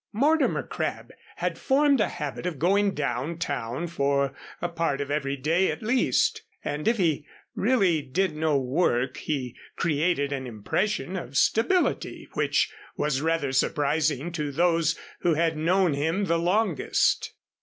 Mortimer Crabb had formed a habit of going down town for a part of every day at least, and if he really did no work he created an impression of stability which was rather surprising to those who had known him longest.